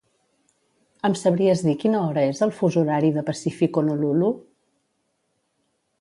Em sabries dir quina hora és al fus horari de Pacífic Honolulu?